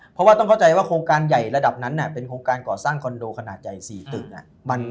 เพราะว่าต้องเข้าใจว่าโครงการใหญ่ระดับนั้นเป็นโครงการก่อสร้างคอนโดขนาดใหญ่๔ตึก